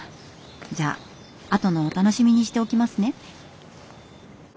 じゃあ後のお楽しみにしておきますね。